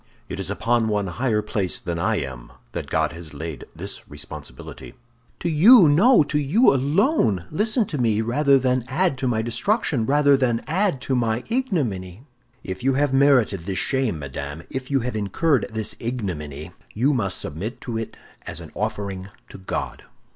It is upon one higher placed than I am that God has laid this responsibility." "To you—no, to you alone! Listen to me, rather than add to my destruction, rather than add to my ignominy!" "If you have merited this shame, madame, if you have incurred this ignominy, you must submit to it as an offering to God."